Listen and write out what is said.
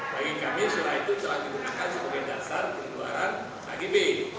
bagi kami surat itu telah digunakan sebagai dasar pengeluaran agb